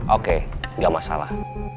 oke gak masalah